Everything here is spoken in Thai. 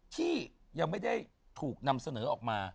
ที่ยังไม่ได้ถูกนำเสนอออกมา